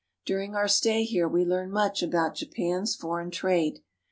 During our stay here we learn much about Japan's foreign trade.